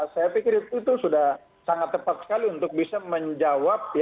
saya pikir itu sudah sangat tepat sekali untuk bisa menjawab